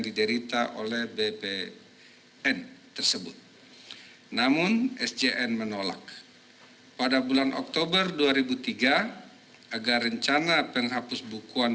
diderita oleh bpn tersebut namun sjn menolak pada bulan oktober dua ribu tiga agar rencana penghapus bukuan